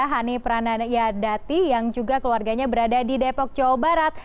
hani pranayadati yang juga keluarganya berada di depok jawa barat